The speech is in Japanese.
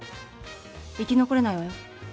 生き残れないわよ。